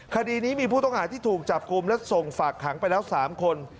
คดีนี้มีผู้ต้องหาที่ถูกจับกลุ่มและส่งฝากขังไปแล้ว๓คน